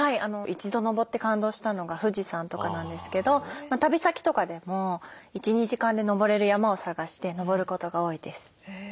一度登って感動したのが富士山とかなんですけど旅先とかでも１２時間で登れる山を探して登ることが多いです。